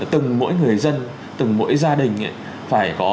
từng mỗi người dân từng mỗi gia đình phải có một cái cảm nhận về cái sự an toàn của mình ấy